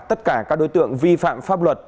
tất cả các đối tượng vi phạm pháp luật